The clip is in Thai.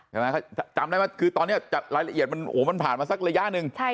ใช่ไหมเขาจำได้ไหมคือตอนนี้รายละเอียดมันผ่านมาสักระยะหนึ่ง